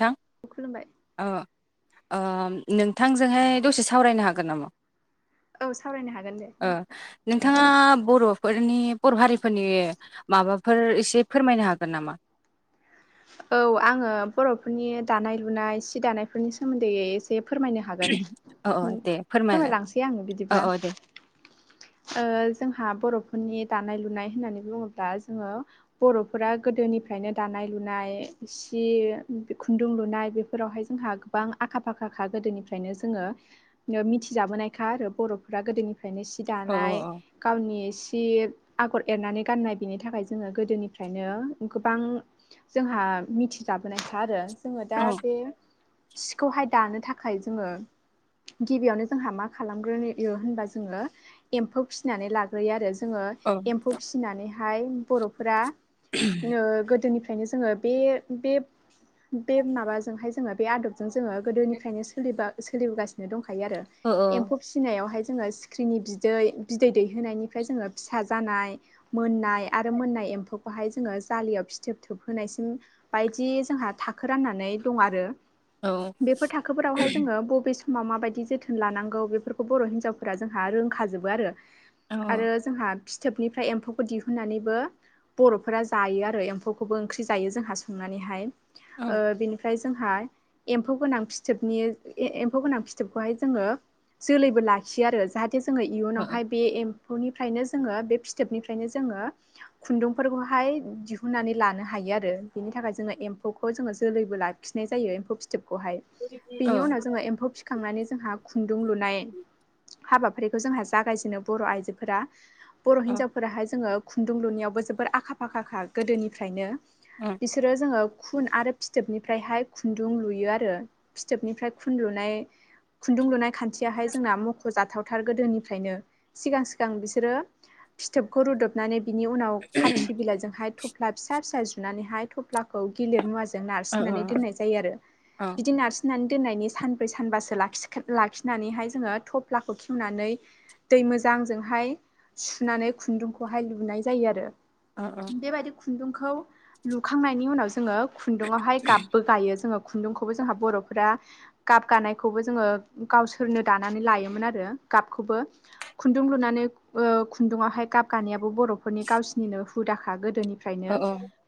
थां खुलुमबाय आ ओ नोंथांजोंहाय दसे सावरायनो हागोन नामा औ सावरायनो हागोन दे ओ नोंथाङा बर'फोरनि बर' हारिफोरनि माबाफोर एसे फोरमायनो हागोन नामा? [inaudible] औ आङो बर'फोरनि दानाय लुनाय सि दानायफोरनि सोमोन्दै एसे से फोरमायनो हागोन औ औ दे फोरमायलाय फोरमायलांसै आङो औ बिदिब्ला। औ दे ओ जोंहा बर'फोरनि दानाय लुनाय होननानै बुङोब्ला जोङो बर'फोरा गोदो गोदोनिफ्रायनो दानाय लुनाय सि खुन्दुं लुनाय बेफोरावहाय जोंहा गोबां आखा आखा फाखा गोदोनिफ्रायनो जोङो मिथिजाबोनायखा आरो बर'फोरा गोदोनिफ्रायनो सि औ दानाय गावनि सि सि आगर एरनानै गाननाय बेनि थाखाय जोङो गोदोनिफ्रायनो गोबां जोंहा आ मिथि जाबोनायखा आरो जोङो औ दा बे सिखौहाय दानो थाखाय जोङो गिबियावनो जोंहा मा खालामग्रोयो होनबा जोङो एम्फौ फिसिनानै लाग्रोयो आरो जोङो औ एम्फौ फिसिनानैहाय बर'फोरा ओ गोदोनि ओंखायनो जोङो बे बेब बे माबाजोंहाय जोङो बे आदबजों जोङो गोदोनिफ्रायनो सोलिबा सोलिबोगासिनो दंखा यो आरो औ एम्फौ फिनायावहाय जोङो सि ख्रिनि बिदै बिदै दैहोनायनिफ्राय जोङो फिसा जानाय मोननाय आरो मोननाय एम्फौ बाहाय जोङो जाालियाव फिथोब थोबहोनायसिम बायदि जोंहा थाखो राननानै दं आरो औ बेफोर थाखोफोरावहाय जोङो बबे सम मा मा माबायदि जोथोन लानांगौ बेफोरखौ बर' हिन्जावफोरा जोंहा रोंखाजोबो आरो औ आरो जोंहा फिथोबनिफ्राय एम्फौखौ दिहुननानैबो बर'फोरा जायो आरो एम्फौखौबो ओंख्रि जायो जोंहा संनानै हाय औ ओ बिनिफ्राय जोंहा एम्फौ गोनां फिथोबनि ए-एम्फौ गोनां फिथोबखौहाय जोङो जोलैबो लाखियो आरो जाहाथे जोङो औ इयुनावहाय बे एम फौनिफ्रायनो जोङो बे फिथोबनिफ्रायनो जोङो खुन्दुंफोरखौहाय दिहुननानै लानो हायो। आरो बेनि थाखाय जोङो एम्फौखौ जोङो जोलैबो लाखिनाय जायो एमफौ फिथोबखौहाय औ बेनि उनाव जोङो एम्फौ फिखांनानै जोंहा खुन्दुं लुनाय हाबाफारिखौ जोंहा जागायजेनो बर' आइजोफोरा बर' हिनजावफोराहाय जोङो खुन्दुं लुनाययावबो जोबोर आखा फाखाखा गोदोनिफ्रायनो बिसोरो जोङो खुन आरो फिथोबनिफ्रायहाय खुन्दुं लुयो आरो फिथोबनिफ्राय खुन लुनाय खुन्दुं लुनाय खान्थियाहाय जोंना मख' जाथावथार गोदोनिफ्रायनो सिगां सिगां बिसोरो फिथोबखौ रुद'बनानै बिनि उनाव खाथ्रि बिलाजोंहाय थफ्ला फिसा फिसा जुनानैहाय थफ्लाखौ गेलिर मुवा नारसिन्नानै दोन्नाय जायो आरो बिदि नारसिन्नानै दोननायनि सानब्रै सानबासो लाखि लाखिनानैहाय जोङो टप फ्लाखौ खेवनानै दै मोजांजोंहाय सुनानै खुन्दुंखौहाय लुनाय जायो आरो अ अ बेबायदि खुन्दुंखौ लुखांनायनि उनाव जोङो खुन्दुंआवहाय गाबबो गायो जोङो खुन्दुंखौबो जोंहा बर'फोरा गाब गानायखौबो जोङो गावसोरनो दानानै लायो मोन आरो गाबखौबो खुन्दुं लुनानै ओ खुन्दुंवायहाय गाब गानायाबो बर'फोरनि कालचार सिनिनो हुदाखा गोदोनि औ फ्रायनो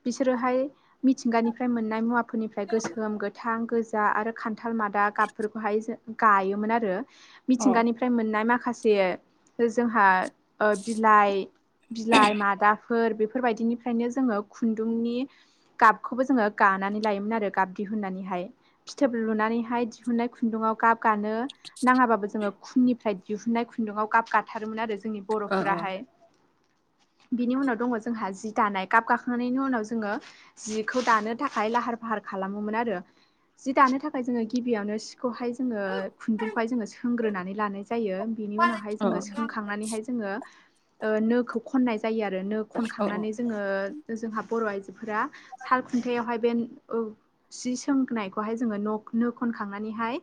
बिसोरोहाय मिथिंगानिफ्राय मोननाय मुवाफोरनिफ्राय गोसोम, गोथां, गो जा आरो खान्थाल मादा गाबफोरखौहाय जो गायोमोन आरो मिथिंगानिफ्राय मोन्नाय मा खासे जोंहा ओ बिलाइ बिलाइ मादाफोर बेफोरबायदिनिफ्रायनो जोङो खुन्दुंनि गाबखौबो जोङो गानानै लायोमोन आरो गाब दिहुननानैहाय फिथोब लुनानैहाय दिहुननाय खुन्दुंआव गाब गानो नांआबाबो जोङो खुननिफ्राय दिहुननाय खुन्दुंआव गाब गाथारोमोन आरो जोंनि औ बर'फोराहाय [inaudible] बिनि उनाव दङ जोंहा जि दानाय गाब गाखांनायनि उनाव जोङो जिखौ दानो थाखाय लाहार फाहार खालामोमोन आरो जि दानो थाखाय जोङो गिबियावनो सिखौहाय जोङो खुन्दुंखौहाय जोङो सोंग्रोनानै लानाय जायो बिनि उनावहाय जोङो सोंखांनानैहाय जोङो ओ नोखौ खननाय जायो आरो नो खनखांनानै जोङो जोंहा बर' आइजोफोरा साल खुन्थायावहाय बे सि सोंनायखौहाय जोङो नो खन खनखांनानैहाय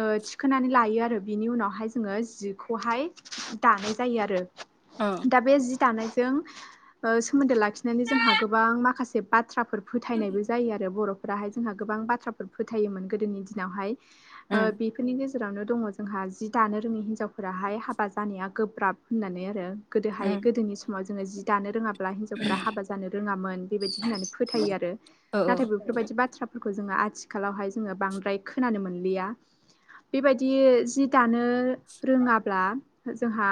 ओ थिखोनानै आरो बेनि उनावहाय जोङो जिखौहाय दानाय जायो आरो दा बे जि दानायजों सोमोन्दो लाखिनानै जोंहा गोबां माखासे बा बाथ्राफोर फोथायनायबो जायो आरो बर'फोराहाय जोंहा गोबां बाथ्राफोर फोथायोमोन गोदोनि दिनावहाय ओ बेफोरनि गेजेरावनो दङ जोंहा जि दानो रोङि हिन्जावफोराहाय हाबा जानाया गोब्राब होननानै आरो गोदोहाय गोदोनि समाव जोङो जि दानो रोङाब्ला ब्ला हिनजावफोरा बाबा जानो रोङामोन बेबायदि फोथाय आरो नाथाय बेफोरदि बाथ्रा फोरखौ जोंना आथिखालावहाय जोङो बांद्राय खोनानो मोनलिया बि जि दानो रोङाब्ला जोंहा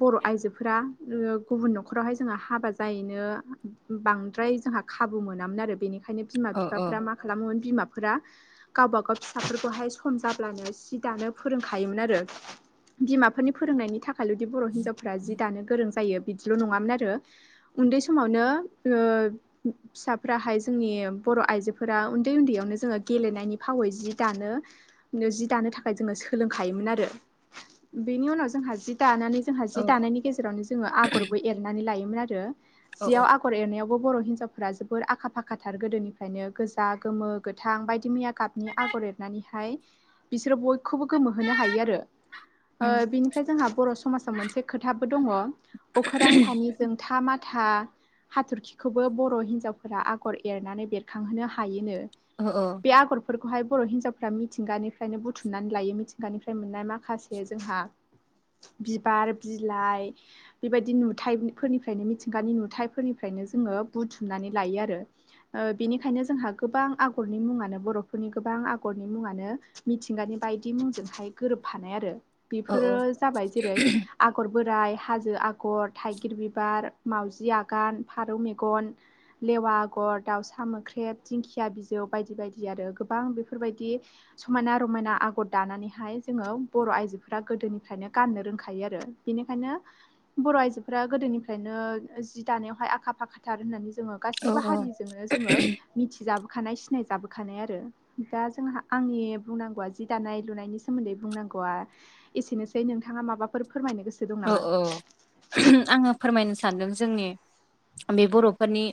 बर' आइजोफोर फोरा गुबुन न'खरावहाय जोंहा हाबा जायैनो बांद्राय जोंहा खाबु मोनामोन आरो बेनिखायनो ओंखायनो बिमा औ बिफाफोरा मा खालामोमोन बिमाफोरा गावबागाव फिसाफोरखौहाय सम जाब्लानो सि दानो फोरोंखायोमोन आरो बिमाफोरनि फोरोंनायनि थाखाय खालोदि बर' हिन्जावफ्रा जि दानो गोरों जायो बिदिल' नङामोन आरो उन्दै समावनो फिसाफोराहाय जोंनि बर' आइजोफोरा उन्दै उन्दैयावनो जोङो गेलेनायनि फावै जि दानो जि दानो थाखाय जोङो सोलोंखायोमोन आरो बेनि उनाव जोंहा जि दानानै जोंहा जि दानायनि गेजेरावनो जोङो आगरबो एरनानै लायोमोन आरो औ औ जिआव आगर एरनायाव बर' हिनजावफोरा जोबोर आखा फाखाथार गोदोनिफ्रायनो गोजा गोमो गोथां बायदि मैया गाबनि आ आगर एरनानैहाय बिसोरो बय ओ उम बिनिफ्राय जोंहा बर' समाजाव मोनसे खोथाबो दङ अखोरां सानि जोंथा मा माथा हाथरखिखौबो बर' हिन्जावफोरा आगर एरनानै बेरखांहोनो हायोनो अ अ फोरखौहाय बर' हिजावफोरा मिथिंगानिफ्रायनो बुथुम नानै लायो मिथिंगानिफ्राय मोननाय माखासे जोंहा बिबार बिलाइ बेबायदि नुथाय फोरनिफ्रायनो मिथिंगानि नुथायाइफोरनिफ्रायनो नो जोङो बुथुमनानै लायो आरो बेनिखायनो जोंहा गोबां आगरनि मुङानो बर'फोरनि गोबां आगरनि मुङानो मिथिंगानि बायदि मुंजोंहाय गोरोबफानाय आरो औ बेफोरो जाबाय जेरै आगर बोराय हाजो आगर थाइगिर बिबार माउजि आगान फारौ मेगन देवा आगर दाउसा मोख्रेब दिंखिया बिजौ बायदि बायदि आरो गोबां बेफोरबायदि स समायना रमायना आगर खद दानानैहाय जोङो बर' आइजोफोरा गोदोनिफ्रायनो गाननो रोंखायो आरो बिनिखायनो बर' आइजोफोरा गोदोनिफ्रायनो जि दानायावहाय आखा फाखाथार होननानै जोङो गासैबो औ हारिजोंनो जोङो मिथिजाब खानाय सिनाय जाबोखानाय आरो दा जोंहा आंनि बुंनांगौआ दानाय लुनायनि सोमोन्दै बुंनांगौआ एसेनोसै नोंथा माबाफोर फोरमायनो गोसो दं औ नामा? औ आङो फोरमायनो सानदों जोंनि बे बर'फोरनि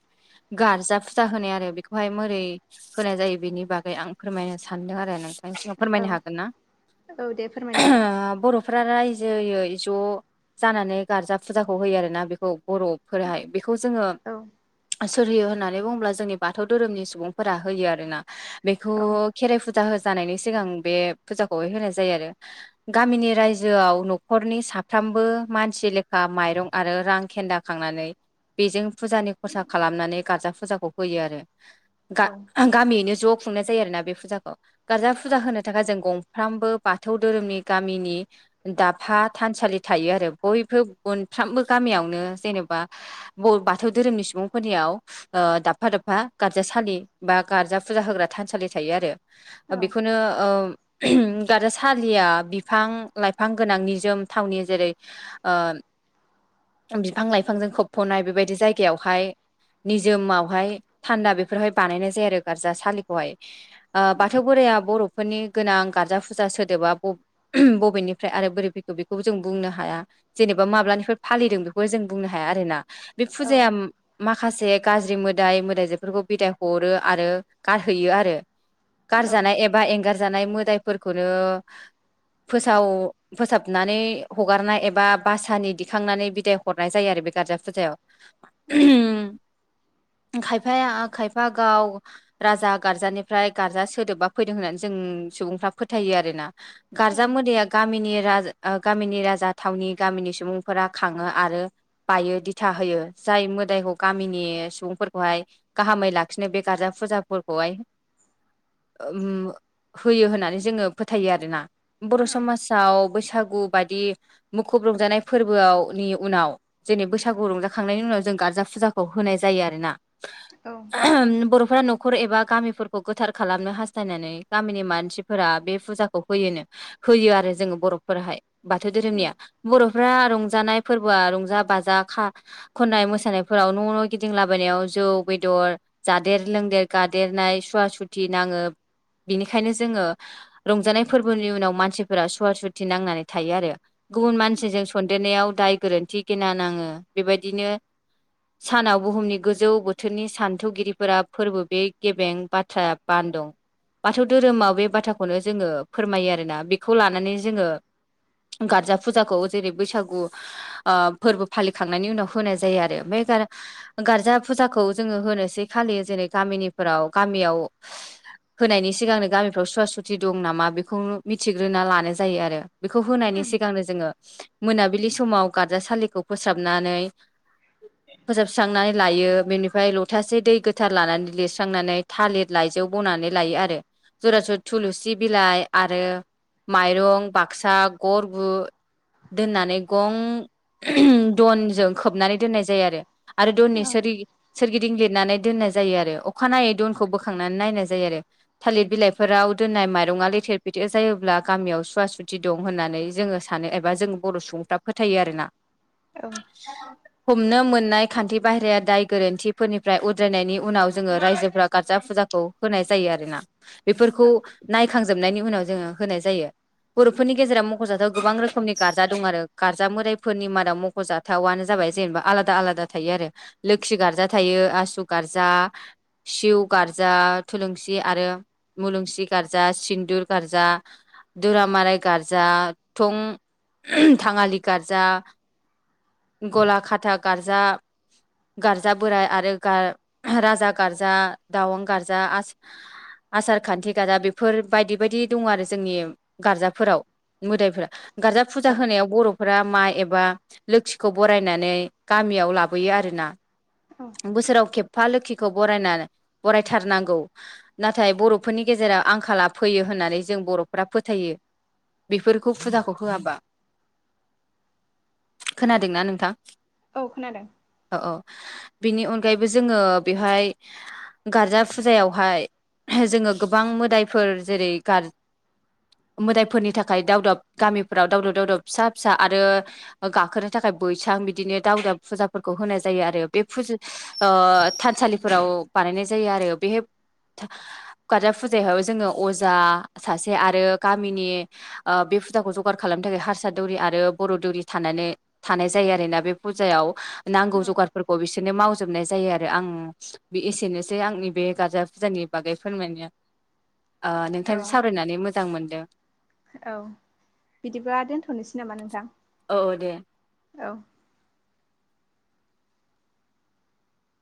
गारजा फुजा होनाय आरो बेखौहाय मोरै होनाय जायो बेनि बागै आं फोरमायनो सानदों आरो नों आनि सिगाङाव औ फोरमायनो हागोन ना औ दे फोरमायनो हागोन बर'फोरा रायजोै ज' जानानै गारजा फुजाखौ होयो आरोना बेखौ बर'फोरहाय बेखौ जोङो औ सोर होयो होननानै बुङोब्ला जोंनि बाथौ धोरोमनि सुबुंफोरा होयो आरोना बेखौ औ खेर फुजि फुजा हो जानायनि सिगां बे फुजाखौ होनाय जायो आरो गामिनि रायजोआव न'खरनि सा साफ्रोमबो मानसि लेखा माइरं आरो रां खेन्द खांनानै बेजों फुजानि खरसा खालामनानै गारजा फुजाखौ होयो आरो औ गामियैनो ज' खुंनाय जायो आरोना बे फुजाखौ गारजा फुजा औ होनो थाखाय जों गं फ्रामबो बाथौ धोरोमनि गामिनि दाफा थानसालि थायो आरो बयबो मोनफ्रोमबो गामियावनो जेनेबा बाथौ धोरोमनि सुबुंफोरनियाव दाबफा दाबफा गार्जासाालि बा गार्जा फुजा होग्रा थानसालि थायो आरो औ बेखौनो दाथ सालिया बिफां लाइफां गोनांनि जोम थावनि जेरै ओ बिफां लाइफांजों खोबफ'नाय बेबायदि जायगायावहाय निजोमावहाय थान्दा बेफोरहाय बानायनाय जायो आरो गारजा सालिखौहाय बाथौ बोराइ बर'फोरनि गोनां गार्जा फुजा सोदोबा बबेनिफ्राय आरो बोरै फैगौ बेखौ जों बुंनो हाया जेनेबा माब्लानिफ्राय फालिदों बेखौ जों बुंनो हाया आरोना बे औ फुजाया मा खासे गाज्रि मोदाय मोदायजोफोरखौ बिदाय हरो आरो गारहैयो आरो। गारजानाय एबा एंगारजानाय मोदाय फोरखौनो फोसाव फोसाबनानै हगारनाय एबा बासानि दिखांनानै बिदाय हरनाय जायो आरो बे गार्जा फुजायाव औ [unintelligible] खायफाया खायफा गाव राजा गार्जानिफ्राय गार्जा सोदोबबा फैदों होननानै जों सुबुंफ्रा फोथायो आरोना गारजा मोदया गामिनि राजा [unintelligible] गामिनि राजा थावनि गामिनि सुबुंफोरा खाङो आरो बायो दिथा होयो जाय मोदाय [unintelligible] गामिनि सुबुंफोरखौहाय गाहामै लाखिनो बे गार्जा फुजाफोरखौहाय ओम होयो होननानै जोङो फोथायो आरोना बर' औ समासाव बैसागु बायदि मुखुब रंजानाय फोरबोआवनि उनाव जेरै बैसागु रंजाखांनायनि उनाव जों गारजाफ [unintelligible] फुजाखौ होनाय जायो आरोना बर'फोरा न [unintelligible] खर एबा गामिफोरखौ गोथार खालामनो हास्थायनानै गामिनि मानसिफोरा बे फुजाखौ होयोनो होयो आरो जोङो बर'फोराहाय बाथौ दोरोमनिया बर' फोरा रंजानाय फोरबोआ रंजा बाजा खाह खननाय मोसानायफोराव न' न' गिदिंलाबायनायाव ज जौ बेदर जादेर लोंदेर गादेरनाय सुवा सुथि नाङो बिनिखायनो जोङो रंजानाय फोरबोनि उनाव मानसिफोरा सुवा सुथि नांनानै थायो आरो गुबुन मानसिजों सन्देरनायाव दाय गोरोन्थि गिना नाङो बेबायदिनो सानाव बुहुमनि गोजौ बोथोरनि सान्थौगिरिफोरा फोरबो बे गेबें बाथ्रा बान दं बाथौ दोरोमाव बे बाथाखौनो जोङो फोरमायो आरोना बेखौ लानानै जोङो [unintelligible] गारजा फुजाखौ जेरै बैसागु ओ फोरबो फालिखांनायनि उनाव होनाय जायो आरो ओमफाय गारा गारजा फुजाखौ जोङो होनोसै खालियो जेरै गामिनिफोराव गामियाव होनायनि सिगांनो गामिफ्राव सुवा सुथि दं नामा बेखौनो मिथिग्रोना लानाय जायो आरो। बेखौ होनायनि सिगांनो जोङो मोनाबिलि समाव गारजासालिखौ फोसाबनानै फोजोबस्रांनानै लायो बेनिफाय लथासे दै गोथार लानानै लिरस्रांनानै थालिर लायज जौ बनानै लायो आरो। जरास थुलुसि बिलाइ आरो माइरं बा क्सा गरगु दोननानै गं [unintelligible] दनजों खोबनानै दोननाय जायो आरो। आरो दुन नेसारि सोरगिदिं लिरनानै दोननाय जायो आरो अखानायनायै दनखौ बोखांनानै नायनाय जायो आरो थालिर बिलाइफोराव दोननाय माइरङा लेथेर फेथेर जायोब्ला गामियाव सुवा सुद थि दं होननानै जोङो सानो एबा जों बर' सुबुंफ्रा फोथायो आरोना। औ हमनो मोन नाय खान्थि बाहेराया दाय गोरोन्थिफोरनिफ्राय उद्रायनायनि उनाव जोङो रायजोफोरा गारजा फुजाखौ होनाय ज जायो आरोना बेफोरखौ नायखांजोबनायनि उनाव जोंङो होनाय जायो। बर'फोरनि गेजेराव मखजाथाव गोबां रोखोमनि गारजा दं आरो गारजा मोदायफोरनि मादाव मखजाथावानो जाबाय ज जेनबा आलादा आलादा थायो आरो लोखि गार्जा थायो आसु गार्जा सिउ गारज जा थुलुंसि आरो मुलुंसि गारजा सिन्दुर गारजा दुरा [unintelligible] माराइ गारजा थं थांङालि गारजा गला खाथा गार्जा गारजा बोराय आरो गार राजा गार्जा दावं गार्जा आस आसार खान्थि गादा बेफोर बायदि बायदि दं आरो जोंनियाव गार्जाफोराव मोदायफोरा गार्जा फुजा होनायाव बर' फोरा माइ एबा लोखिखौ बरायनानै गामियाव लाबोयो आरोना। औ बोसोराव खेब फा लोखिखौ बरायनानै बरायथारनांगौ नाथाय बर'फोरनि गेजेराव आंखाला फैयो हो होननानै जों बर'फोरा फोथायो बेफोरखौ फुजाखौ होआबा खोनादोंना नोंथां? औ खोनादों। बेनि अनगायैबो जोंङो बेवहाय गारजा फुजायावहाय जोंङो गोबां मोदायफोर जेरै गार मोदायफोरनि थाखाय दावदाब गामिफोराव दावदब दावदब फिसा फिसा आरो गाखोनो थाखाय बैसां बिदिनो दावदाब फुजा फोरखौ होनाय जायो आरो बे फु ओ थानसालिफोराव बा यनाय जायो आरो बे गारजा फुजायाव जों अजा सासे आरो गामिनि बे फुजाखौ जगार खालामनो थाखाय हारसा दौरि आरो बर दौरि थानानै थानाय जायो। ना बे फुजायाव नांगौ औ जगारफोरखौ बिसोरनो माव जोबनाय जायो आरो आं बे एसेनोसै आंनि बे गारजा फुजानि बागै फोरमायनो। औ नोंथांजों सावरायनानै मोजां मोनदों। औ बिदिबा दोनथनोसै नामा नोंथां? औ औ दे औ